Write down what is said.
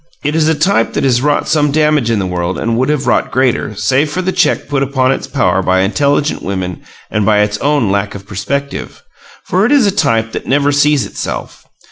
It is a type that has wrought some damage in the world and would have wrought greater, save for the check put upon its power by intelligent women and by its own "lack of perspective," for it is a type that never sees itself.